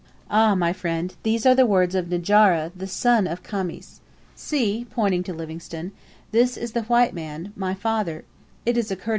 "Ah, my friend, these are the words of Njara, the son of Khamis. See" (pointing to Livingstone), "this is the white man, my father *, whom I saw at Ujiji.